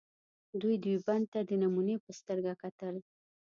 دوی دیوبند ته د نمونې په سترګه کتل.